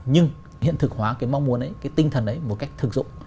nhưng hiện thực hóa cái mong muốn ấy cái tinh thần ấy một cách thực dụng